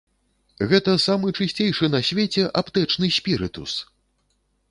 Гэта самы чысцейшы на свеце аптэчны спірытус!